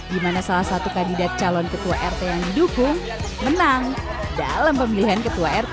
di mana salah satu kandidat calon ketua rt yang didukung menang dalam pemilihan ketua rt